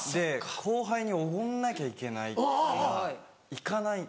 後輩におごんなきゃいけないから行かない。